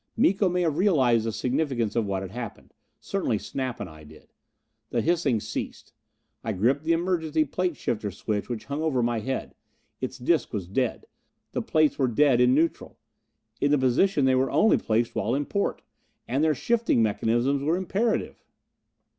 Miko may have realized the significance of what had happened. Certainly Snap and I did. The hissing ceased. I gripped the emergency plate shifter switch which hung over my head. Its disc was dead! The plates were dead in neutral. In the positions they were only placed while in port! And their shifting mechanisms were imperative!